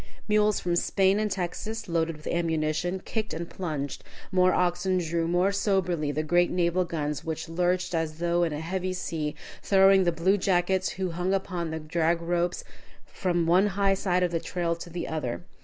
Mules from Spain and Texas, loaded with ammunition, kicked and plunged, more oxen drew more soberly the great naval guns, which lurched as though in a heavy sea, throwing the blue jackets who hung upon the drag ropes from one high side of the trail to the other.